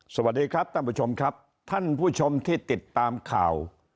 สวัสดีครับท่านผู้ชมครับท่านผู้ชมที่ติดตามข่าว